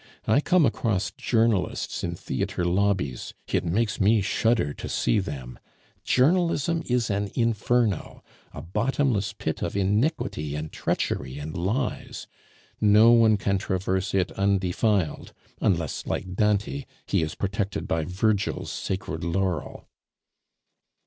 I come across journalists in theatre lobbies; it makes me shudder to see them. Journalism is an inferno, a bottomless pit of iniquity and treachery and lies; no one can traverse it undefiled, unless, like Dante, he is protected by Virgil's sacred laurel."